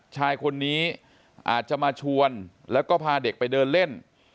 ชายคนนี้อาจจะมาชวนแล้วก็พาเด็กไปเดินเล่น